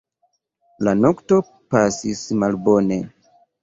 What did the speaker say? La nokto pasis malbone.